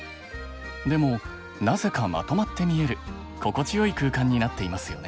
でもなぜかまとまって見える心地よい空間になっていますよね。